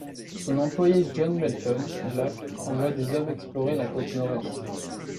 Son employé John Melton Black envoie des hommes explorer la côte nord-est.